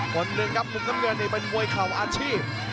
คนหนึ่งครับมุมน้ำเงินนี่เป็นมวยเข่าอาชีพ